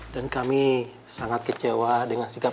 dan kami sangat kecewa dengan keputusan yang sudah diambil